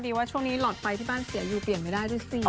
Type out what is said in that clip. ว่าช่วงนี้หลอดไฟที่บ้านเสียอยู่เปลี่ยนไม่ได้ด้วยสิ